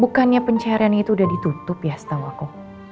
bukannya pencaharian itu udah ditutup ya setau aku